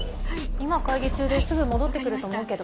今会議中ですぐ戻って来ると思うけど。